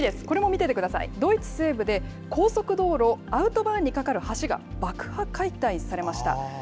これも見ててください、ドイツ西部で高速道路、アウトバーンに架かる橋が爆破解体されました。